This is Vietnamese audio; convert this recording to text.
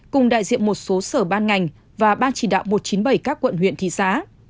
cùng đại diện một số sở ban ngành và ban chỉ đạo một trăm chín mươi bảy các quận huyện thị xã